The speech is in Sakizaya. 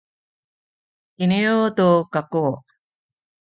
iniyu tu kaku